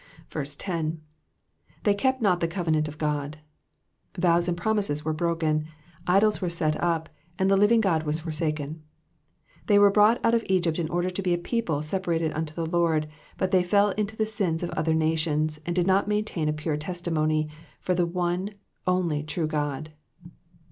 10. '"Ttiey kept not the covenant of God^ Vows and promises were broken, idols were set up, and the living God was forsaken. They were brought out of Egypt in order to be a people separated unto the Lord, but they fell into the sins of other nations, and did not maintain a pure testimony for the one only true God.